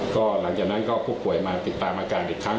ก็หลังจากนั้นก็ผู้ป่วยมาติดตามอาการอีกครั้ง